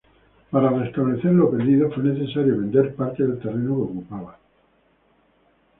Para restablecer lo perdido fue necesario vender parte del terreno que ocupaba.